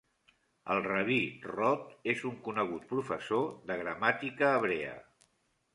El rabí Roth és un conegut professor de gramàtica hebrea.